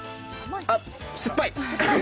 あ、酸っぱい！